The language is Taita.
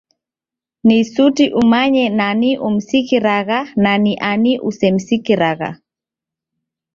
Ni suti umanye nani umsikiragha na ni ani usemsikiragha